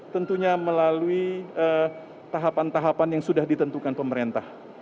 tentunya melalui tahapan tahapan yang sudah ditentukan pemerintah